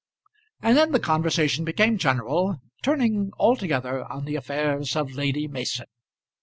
And then the conversation became general, turning altogether on the affairs of Lady Mason.